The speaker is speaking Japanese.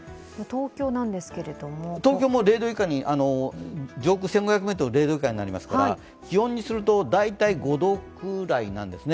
東京も上空１５００ｍが０度以下になりますから気温にすると５度くらいなんですね。